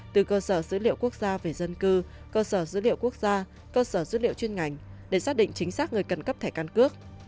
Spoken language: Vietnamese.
từ cơ sở dữ liệu quốc gia về dân cư cơ sở dữ liệu quốc gia cơ sở dữ liệu chuyên ngành để xác định chính xác người cần cấp thẻ căn cước